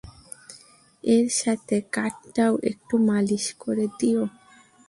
এর সাথে, কাঁধটাও একটু মালিশ করে দিও।